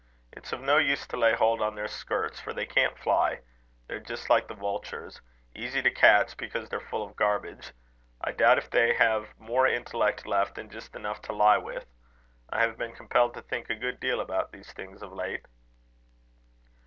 It's of no use to lay hold on their skirts, for they can't fly. They're just like the vultures easy to catch, because they're full of garbage. I doubt if they have more intellect left than just enough to lie with. I have been compelled to think a good deal about these things of late."